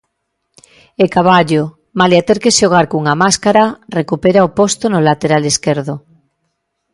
E Caballo, malia ter que xogar cunha máscara, recupera o posto no lateral esquerdo.